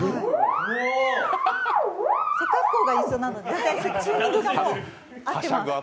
背格好が一緒なので、チューニングが合ってます。